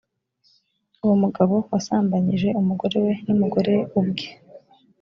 uwo mugabo wasambanyije umugore, n’umugore ubwe.